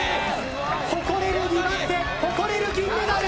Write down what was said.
誇れる２番手誇れる銀メダル。